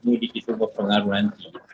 mudik itu berpengaruh nanti